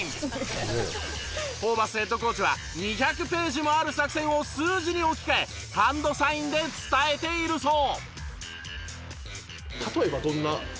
ホーバスヘッドコーチは２００ページもある作戦を数字に置き換えハンドサインで伝えているそう。